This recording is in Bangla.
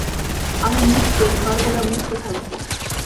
আমি মুক্ত, সর্বদা মুক্ত থাকব।